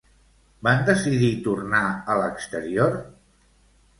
Van decidir tornar a l'exterior?